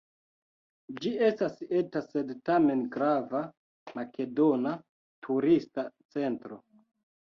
Ĝi estas eta sed tamen grava makedona turista centro.